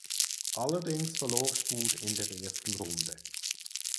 Allerdings verlor Spud in der ersten Runde.